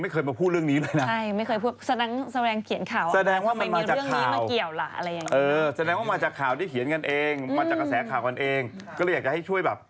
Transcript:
ก็เลยอยากจะให้ช่วยแบบ